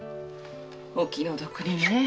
お気の毒に。